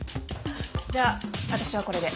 じゃあ私はこれで。